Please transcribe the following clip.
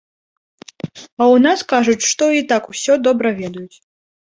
А ў нас кажуць, што і так усё добра ведаюць.